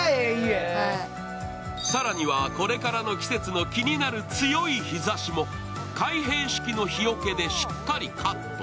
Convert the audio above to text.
更にはこれからの季節に気になる強い日ざしも開閉式の日よけでしっかりカット。